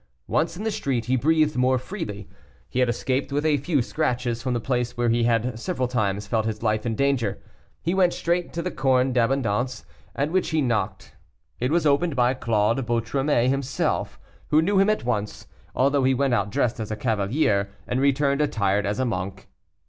Once in the street he breathed more freely; he had escaped with a few scratches from the place where he had several times felt his life in danger. He went straight to the Corne d'Abondance, at which he knocked. It was opened by Claude Boutromet himself, who knew him at once, although he went out dressed as a cavalier, and returned attired as a monk.